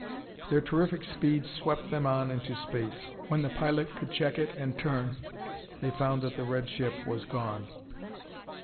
Their terrific speed swept them on into space. When the pilot could check it, and turn, they found that the red ship was gone.